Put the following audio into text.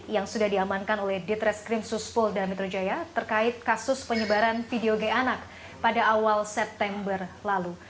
yang sudah diamankan oleh ditres krim suspul dan mitrojaya terkait kasus penyebaran video gay anak pada awal september lalu